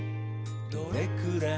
「どれくらい？